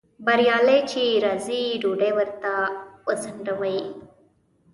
بریالی چې راځي ډوډۍ ورته وځنډوئ